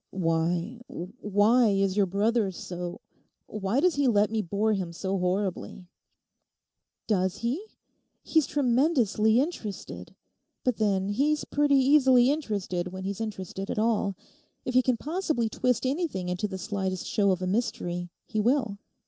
'Why—why is your brother so—why does he let me bore him so horribly?' 'Does he? He's tremendously interested; but then, he's pretty easily interested when he's interested at all. If he can possibly twist anything into the slightest show of a mystery, he will.